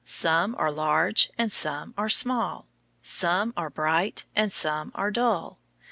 Some are large and some are small. Some are bright and some are dull.